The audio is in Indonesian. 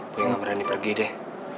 boy nggak berani pergi deh